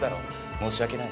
申し訳ない。